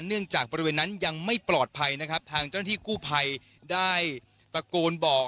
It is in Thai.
เนื่องจากบริเวณนั้นยังไม่ปลอดภัยนะครับทางเจ้าหน้าที่กู้ภัยได้ตะโกนบอก